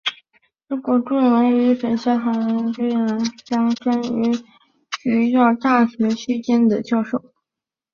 中国著名遗传学家谈家桢是徐道觉大学期间的教授。